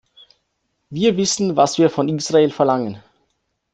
Wir wissen, was wir von Israel verlangen.